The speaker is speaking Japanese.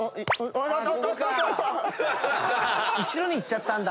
後ろに行っちゃったんだ。